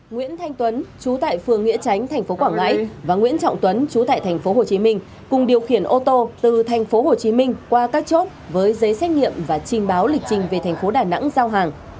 nguyễn thanh tuấn chú tại phường nghĩa tránh tp quảng ngãi và nguyễn trọng tuấn chú tại tp hồ chí minh cùng điều khiển ô tô từ tp hồ chí minh qua các chốt với giấy xét nghiệm và trình báo lịch trình về tp đà nẵng giao hàng